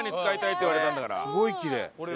すごいきれい。